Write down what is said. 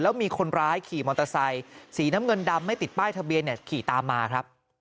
แล้วมีคนร้ายขี่มอเตอร์ไซค์สีน้ำเงินดำไม่ติดป้ายทะเบียนเนี่ยขี่ตามมาครับ